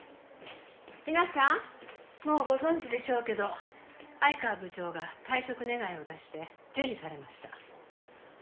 皆さんもうご存じでしょうけど愛川部長が退職願を出して受理されました。